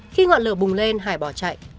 khi ngọn lửa bùng lên hải bỏ chạy